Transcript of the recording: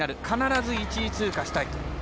必ず１位通過したい。